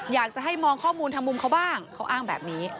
อยากจะให้มองข้อมูลทางมุมเขาบ้างเขาอ้างแบบนี้